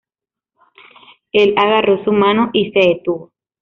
Él agarró su mano y se detuvo.